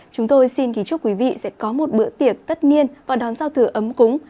chúng tôi xin kính chúc quý vị sẽ có một bữa tiệc tất niên và đón giao thừa ấm cúng